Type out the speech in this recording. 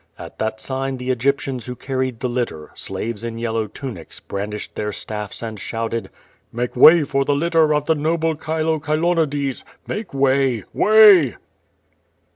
At that sign the Egyptians who carried the litter, slaves in yellow tunics, brandished their staffs and shouted: "Make way for the litter of the noble Chilo Chilonides! Make way! Way!"